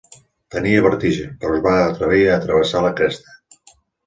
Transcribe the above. Tenia vertigen, però es va atrevir a travessar la cresta.